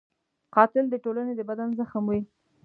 قاتل د ټولنې د بدن زخم وي